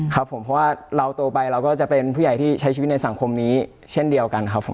ครับผมเพราะว่าเราโตไปเราก็จะเป็นผู้ใหญ่ที่ใช้ชีวิตในสังคมนี้เช่นเดียวกันครับผม